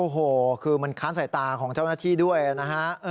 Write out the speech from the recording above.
โอ้โหคือมันค้านสายตาของเจ้าหน้าที่ด้วยนะฮะ